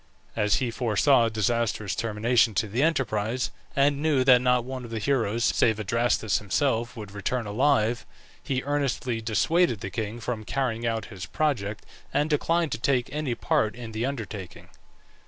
As he foresaw a disastrous termination to the enterprise, and knew that not one of the heroes, save Adrastus himself, would return alive, he earnestly dissuaded the king from carrying out his project, and declined to take any part in the undertaking.